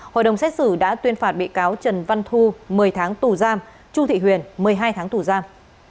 hội đồng xét xử đã tuyên phạt bị cáo trần văn thu một mươi tháng tù giam chu thị huyền một mươi hai tháng tù giam